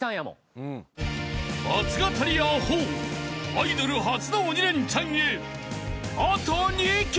［アイドル初の鬼レンチャンへあと２曲］